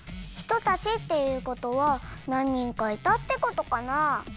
「ひとたち」っていうことはなん人かいたってことかなあ？